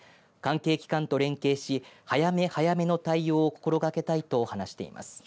関係機関と連携し早め早めの対応を心がけたいと話しています。